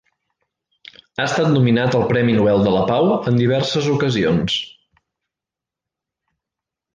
Ha estat nominat al Premi Nobel de la Pau en diverses ocasions.